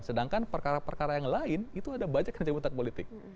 sedangkan perkara perkara yang lain itu ada banyak yang cebutan politik